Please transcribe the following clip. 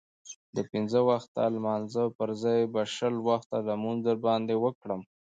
د پنځه وخته لمانځه پرځای به شل وخته لمونځ در باندې وکړم.